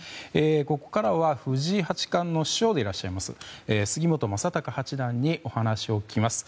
ここからは藤井八冠の師匠でいらっしゃいます杉本昌隆八段にお話を聞きます。